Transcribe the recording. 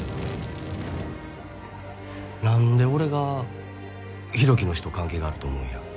なんで俺が浩喜の死と関係があると思うんや？